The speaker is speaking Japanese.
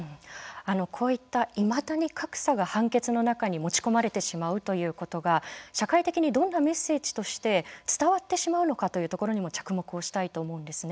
こういった、いまだに格差が判決の中に持ち込まれてしまうということが社会的にどんなメッセージとして伝わってしまうのかというところにも着目をしたいと思うんですね。